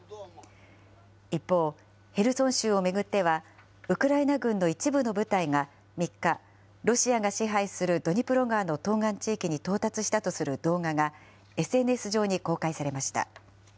一方、ヘルソン州を巡っては、ウクライナ軍の一部の部隊が３日、ロシアが支配するドニプロ川の東岸地域に到達したとする動画がＳＮＳ上に公開されました。